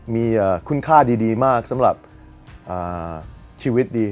มีคุณค่าดีมากสำหรับชีวิตดี